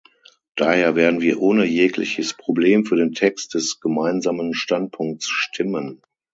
Daher werden wir ohne jegliches Problem für den Text des Gemeinsamen Standpunkts stimmen.